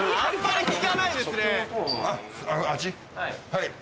はい。